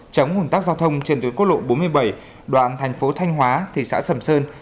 chống ủn tắc giao thông trên tuyến quốc lộ bốn mươi bảy đoạn thành phố thanh hóa thị xã sầm sơn